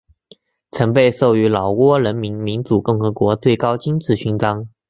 曾被授予老挝人民民主共和国最高金质勋章。